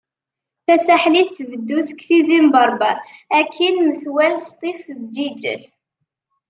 Tasaḥlit tbeddu seg Tizi n Berber akkin metwal Sṭif d Jijel.